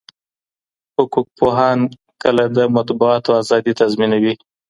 حقوقپوهان کله د مطبوعاتو ازادي تضمینوي؟